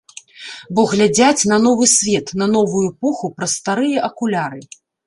Бо глядзяць на новы свет, на новую эпоху праз старыя акуляры.